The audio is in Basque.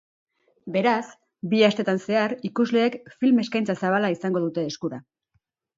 Beraz, bi astetan zehar, ikusleek film eskaintza zabala izango dute eskura.